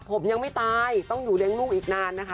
ผมยังไม่ตายต้องอยู่เลี้ยงลูกอีกนานนะคะ